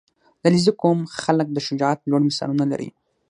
• د علیزي قوم خلک د شجاعت لوړ مثالونه لري.